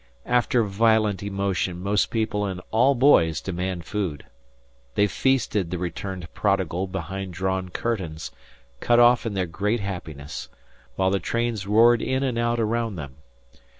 After violent emotion most people and all boys demand food. They feasted the returned prodigal behind drawn curtains, cut off in their great happiness, while the trains roared in and out around them.